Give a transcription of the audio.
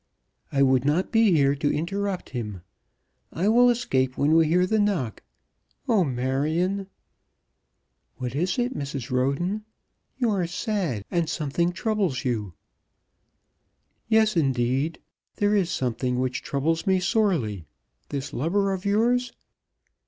"I would not be here to interrupt him. I will escape when we hear the knock. Oh, Marion!" "What is it, Mrs. Roden? You are sad, and something troubles you?" "Yes, indeed. There is something which troubles me sorely. This lover of yours?"